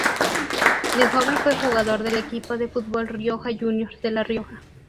De joven fue jugador del equipo de fútbol Rioja Junior, de La Rioja.